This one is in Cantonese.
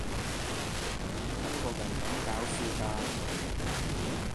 中國人咁搞笑㗎